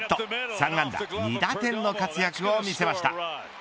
３安打２打点の活躍を見せました。